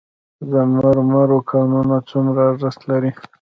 د مرمرو کانونه څومره ارزښت لري؟